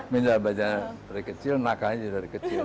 mental bajanya dari kecil nakanya dari kecil